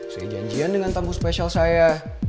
saya janjian dengan tamu spesial saya